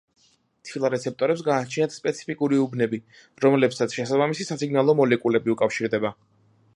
ცილა რეცეპტორებს გააჩნიათ სპეციფიკური უბნები, რომლებსაც შესაბამისი სასიგნალო მოლეკულები უკავშირდება.